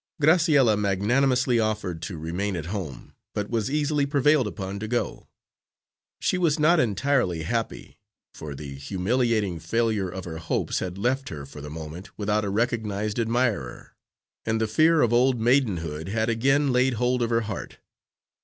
Graciella magnanimously offered to remain at home, but was easily prevailed upon to go. She was not entirely happy, for the humiliating failure of her hopes had left her for the moment without a recognised admirer, and the fear of old maidenhood had again laid hold of her heart.